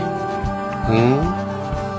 うん？